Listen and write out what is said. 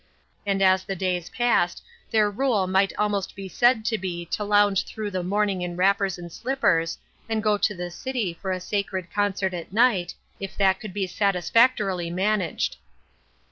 And as the days passed, their rule might almost be said to be to lounge through the morning in wrappers and slippers, and go to the city for a sacred concert at night, if that could be satisfactorily managed.